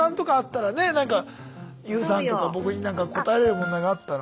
ＹＯＵさんとか僕になんか答えれる問題があったら。